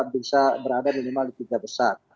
berada minimal di pinjabesat